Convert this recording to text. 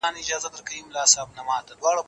د پوهنې د بهیر څارنه د هرې کورنۍ اخلاقي مسوولیت دی.